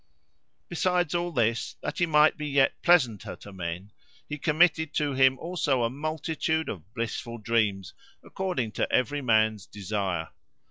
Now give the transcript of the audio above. Besides all this, that he might be yet pleasanter to men, he committed to him also a multitude of blissful dreams, according to every man's desire.